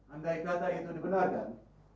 andai kata itu dibenarkan